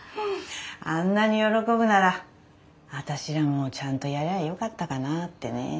あんなに喜ぶなら私らもちゃんとやりゃよかったかなってね。